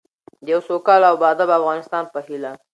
د یوه سوکاله او باادبه افغانستان په هیله.